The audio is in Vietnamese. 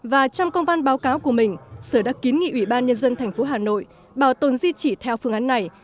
và trong công văn báo cáo của mình sở đã kín nghị ủy ban nhân dân thành phố hà nội bảo tồn di chỉ theo phương án này